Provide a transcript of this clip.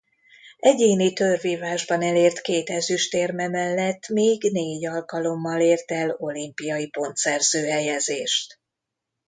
Egyéni tőrvívásban elért két ezüstérme mellett még négy alkalommal ért el olimpiai pontszerző helyezést.